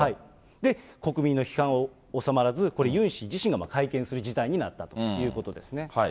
で、国民の批判は収まらず、これ、ユン氏自身が会見する事態になったということですね。